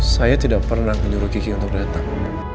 saya tidak pernah menyuruh kiki untuk datang